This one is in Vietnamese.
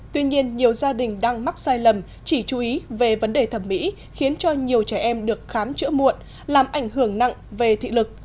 tuy nhiên nhiều gia đình đang mắc sai lầm chỉ chú ý về vấn đề thẩm mỹ khiến cho nhiều trẻ em được khám chữa muộn làm ảnh hưởng nặng về thị lực